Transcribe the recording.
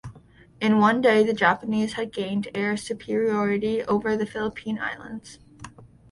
In one day, the Japanese had gained air superiority over the Philippine Islands.